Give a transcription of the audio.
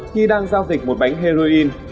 khi đang giao dịch một bánh heroin